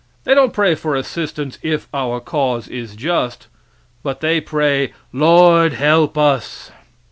They don't pray for assistance if our cause is just, but they pray, "Lord help us!"